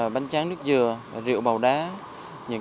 bánh tráng nước bánh tráng nước bánh tráng nước bánh tráng nước